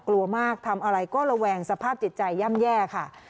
กลัวมากทำอะไรก็ระแวงสภาพจิตใจย่ำแย่ค่ะ